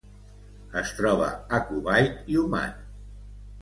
Es troba a Kuwait i Oman.